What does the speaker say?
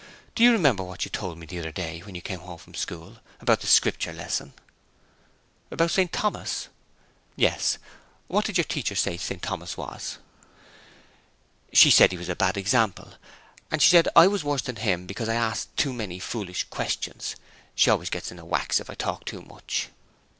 Do you remember what you told me the other day, when you came home from school, about the Scripture lesson?' 'About St Thomas?' 'Yes. What did the teacher say St Thomas was?' 'She said he was a bad example; and she said I was worse than him because I asked too many foolish questions. She always gets in a wax if I talk too much.'